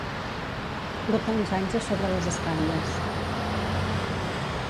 Portar uns anys a sobre les espatlles.